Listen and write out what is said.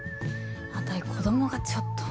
あたい子どもがちょっと。